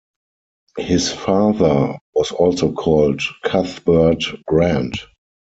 His father was also called Cuthbert Grant.